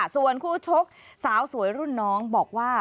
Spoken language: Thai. ส่วนคู่ชกสาวสวยรุ่นน้องบอกว่า